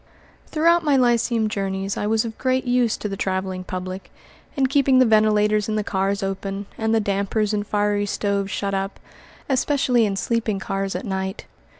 Throughout my lyceum journeys I was of great use to the traveling public, in keeping the ventilators in the cars open, and the dampers in fiery stoves shut up, especially in sleeping cars at night.